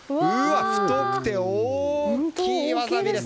太くて大きいわさびです！